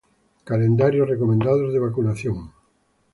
Calendarios recomendados de vacunación